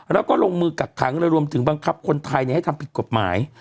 แล้วก็ลงมือกักขังเลยรวมถึงบังคับคนไทยให้ทำผิดกฎหมาย